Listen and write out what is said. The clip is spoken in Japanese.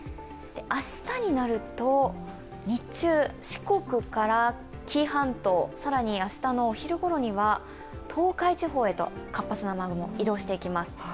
明日になると日中、四国から紀伊半島、更に明日のお昼頃には東海地方へと活発な雨雲移動していきます。